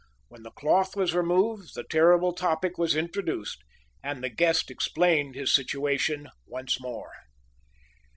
When the cloth was removed the terrible topic was introduced, and the guest explained his situation once more.